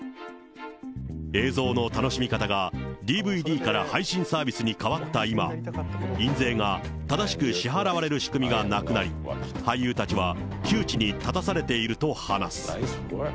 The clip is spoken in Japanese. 映像の楽しみ方がＤＶＤから配信サービスに変わった今、印税が正しく支払われる仕組みがなくなり、俳優たちは窮地に立たされていると話す。